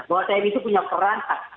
bahwa tni itu punya peran